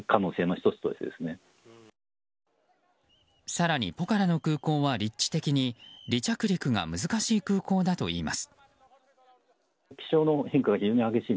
更にポカラの空港は立地的に離着陸が難しい空港だといいます。